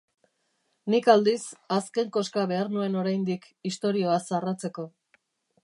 Nik, aldiz, azken koska behar nuen oraindik istorioa zarratzeko.